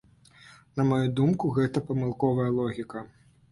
На маю думку, гэта памылковая логіка.